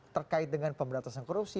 terkait dengan pemberantasan korupsi